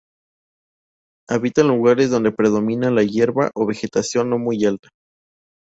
Habita en lugares donde predomina la hierba o vegetación no muy alta.